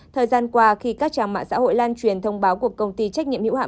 thời gian qua khi các trang mạng xã hội lan truyền thông báo của công ty trách nhiệm hữu hạn